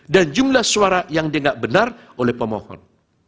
dan jumlah suara yang diadil oleh pemohon